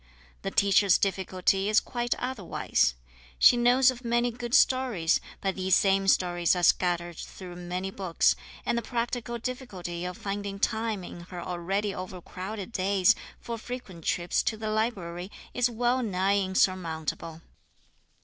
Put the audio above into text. The teacher's difficulty is quite otherwise. She knows of many good stories, but these same stories are scattered through many books, and the practical difficulty of finding time in her already overcrowded days for frequent trips to the library is well nigh insurmountable.